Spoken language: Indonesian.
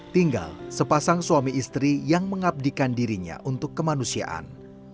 tinggal sepasang suami istri yang mengabdikan dirinya untuk kemanusiaan